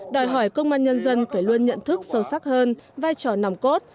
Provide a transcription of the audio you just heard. đòi hỏi công an nhân dân phải luôn nhận thức sâu sắc hơn vai trò nòng cốt